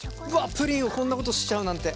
プリンをこんなことしちゃうなんて珍しい。